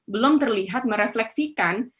belum terlihat merefleksikan